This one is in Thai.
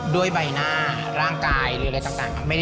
ด้วยใบหน้าร่างกายหรืออะไรต่าง